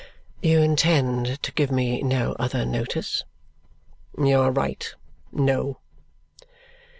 "You intend to give me no other notice?" "You are right. No."